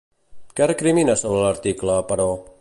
Què recrimina sobre l'article, però?